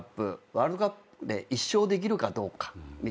ワールドカップで１勝できるかどうかみたいな。